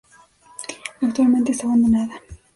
Actualmente está abandonada.